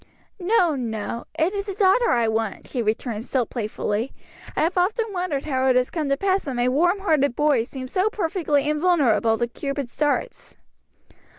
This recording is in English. "No, no, it is a daughter I want," she returned still playfully. "I have often wondered how it has come to pass that my warm hearted boy seems so perfectly invulnerable to Cupid's darts."